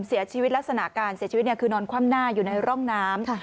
ลักษณะการเสียชีวิตคือนอนคว่ำหน้าอยู่ในร่องน้ำ